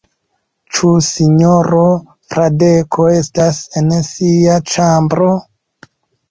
Ĉu sinjoro Fradeko estas en sia ĉambro?